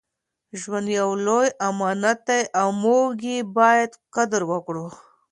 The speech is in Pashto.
ژوند یو لوی امانت دی او موږ یې باید قدر وکړو.